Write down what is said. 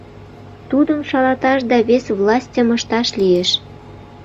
Тудым шалаташ да вес властьым ышташ лиеш.